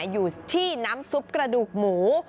อยู่ที่น้ำซุปกระดูกหมู